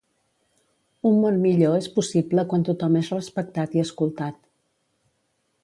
Un món millor és possible quan tothom és respectat i escoltat.